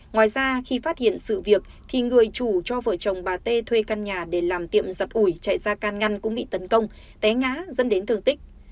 ngoài ra khi phát hiện sự việc thì người chủ cho vợ chồng bà t thuê căn nhà để làm tiệm giật ủi chạy ra can ngăn cũng bị tấn công té ngã dân đến thương tích